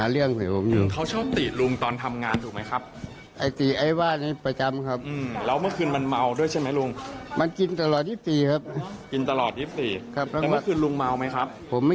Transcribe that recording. ลุงก็ปีนกำแพงหนีไปหรือครับ